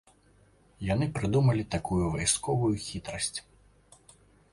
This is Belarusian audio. Яны прыдумалі такую вайсковую хітрасць.